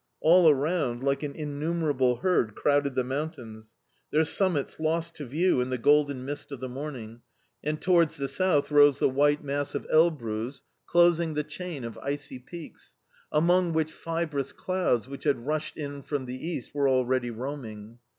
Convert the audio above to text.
All around, like an innumerable herd, crowded the mountains, their summits lost to view in the golden mist of the morning; and towards the south rose the white mass of Elbruz, closing the chain of icy peaks, among which fibrous clouds, which had rushed in from the east, were already roaming.